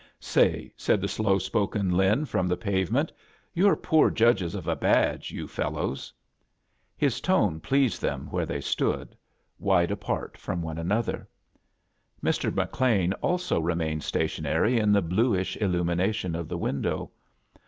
"Say," said the slow <poken Lin frtmi the pavement, "you're poor Judges of a badge* yoo fellows." E£s tone {leased them where they stood* wide apart from each other. Mr. McLean also remained stationary in the bluish illomlnation of the window.